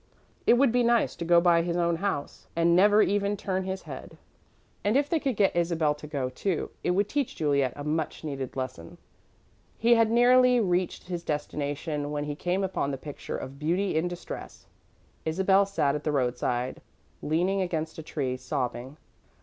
It would be nice to go by his own house and never even turn his head. And, if they could get Isabel to go, too, it would teach Juliet a much needed lesson. He had nearly reached his destination when he came upon the picture of Beauty in Distress. Isabel sat at the roadside, leaning against a tree, sobbing.